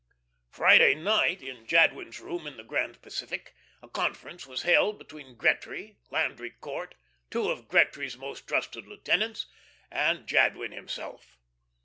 Friday night, in Jadwin's room in the Grand Pacific, a conference was held between Gretry, Landry Court, two of Gretry's most trusted lieutenants, and Jadwin himself.